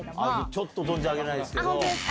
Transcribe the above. ちょっと存じ上げないですけ本当ですか？